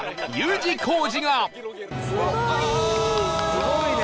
すごいね！